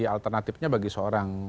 alternatifnya bagi seorang